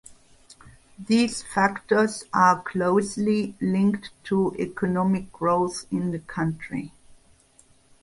These factors are closely linked to economic growth in the country.